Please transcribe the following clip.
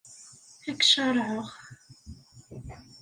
Ad k-caṛɛeɣ.